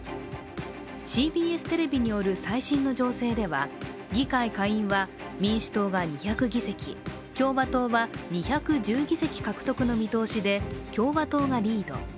ＣＢＳテレビによる最新の情勢では、議会下院は、民主党が２００議席共和党は２１０議席獲得の見通しで共和党がリード。